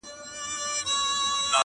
بیا د صمد خان او پاچاخان حماسه ولیکه؛